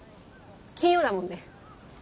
金曜だもんね。